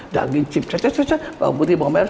daging chips bawang putih bawang merah